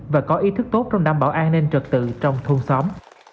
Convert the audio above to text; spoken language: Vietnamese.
và có ý thức tốt trong đảm bảo an ninh trật tự trong thôn xóm